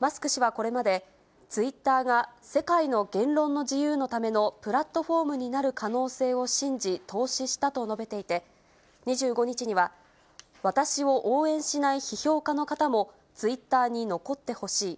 マスク氏はこれまで、ツイッターが世界の言論の自由のためのプラットフォームになる可能性を信じ、投資したと述べていて、２５日には、私を応援しない批評家の方も、ツイッターに残ってほしい。